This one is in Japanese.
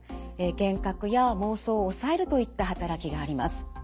幻覚や妄想を抑えるといった働きがあります。